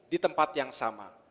di tempat yang sama